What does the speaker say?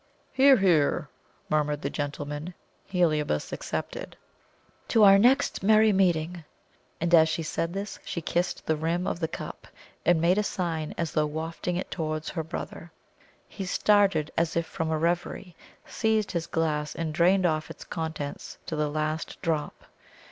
"Hear, hear!" murmured the gentlemen, Heliobas excepted. "To our next merry meeting!" and as she said this she kissed the rim of the cup, and made a sign as though wafting it towards her brother. He started as if from a reverie, seized his glass, and drained off its contents to the last drop.